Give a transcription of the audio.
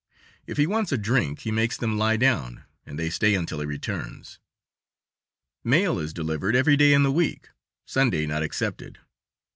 If he wants a drink he makes them lie down and they stay until he returns. Mail is delivered every day in the week, Sunday not excepted.